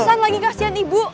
alasan lagi kasihan ibu